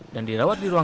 dan dirawat di rumah